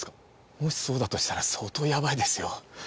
もしそうだとしたら相当やばいですよ。